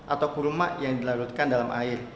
atau kurma yang dilarutkan dalam air